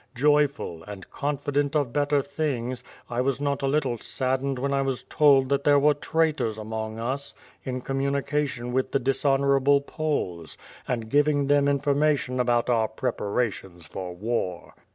Joyful, and coniident of better things, I was not a little sad dened when 1 was told that there were traitors among us in communication with the dishonorable Poles, and giving them information about our preparations for war.